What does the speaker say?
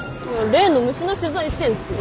例の虫の取材してんすよ。